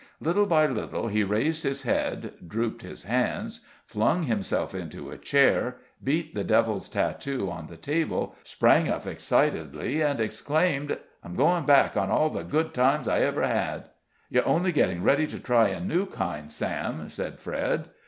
Little by little he raised his head, drooped his hands, flung himself into a chair, beat the devil's tattoo on the table, sprang up excitedly, and exclaimed: "I'm going back on all the good times I ever had." "You're only getting ready to try a new kind, Sam," said Fred.